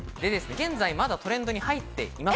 現在、まだトレンドに入っていない。